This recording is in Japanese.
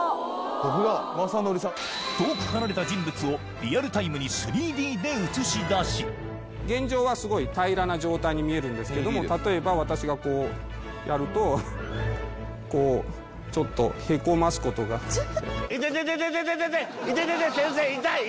・わ雅紀さん遠く離れた人物をリアルタイムに３Ｄで映し出し現状はすごい平らな状態に見えるんですけども例えば私がこうやるとこうちょっとへこますことが先生